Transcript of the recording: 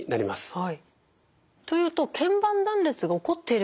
はい。